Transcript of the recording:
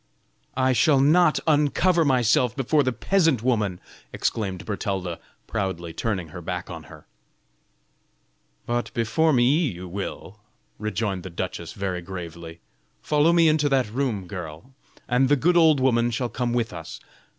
"I shall not uncover myself before the peasant woman!" exclaimed Bertalda, proudly turning her back on her. "But before me you will." rejoined the duchess, very gravely. "Follow me into that room, girl, and the good old woman shall come with us."